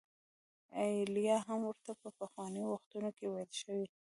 ایلیا هم ورته په پخوانیو وختونو کې ویل شوي.